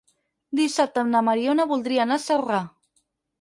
Dissabte na Mariona voldria anar a Celrà.